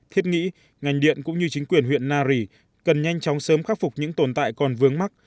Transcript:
thiết nghĩ ngành điện cũng như chính quyền huyện nari cần nhanh chóng sớm khắc phục những tồn tại còn vướng mắt